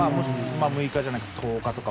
６日じゃなくて１０日とか。